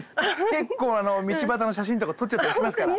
結構道端の写真とか撮っちゃったりしますから。